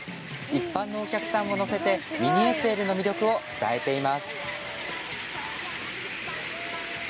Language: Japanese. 一般のお客さんを乗せてミニＳＬの魅力を伝えています。